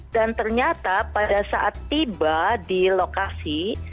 dan ternyata pada saat tiba di lokasi